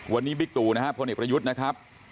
วันนี้บิ๊กตูพลเนศประยุทธ์นะครับ